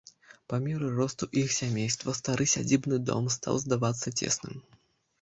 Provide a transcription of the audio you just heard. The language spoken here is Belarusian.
Па меры росту іх сямейства стары сядзібны дом стаў здавацца цесным.